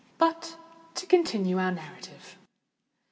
But to continue our narrative.